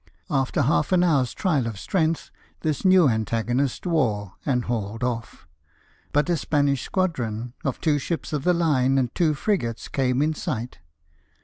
After half an hour's trial of strength this new antagonist wore and hauled off; but a Spanish squadron of two ships of the line and two frigates came in sight.